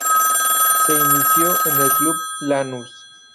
Se inició en el club Lanús.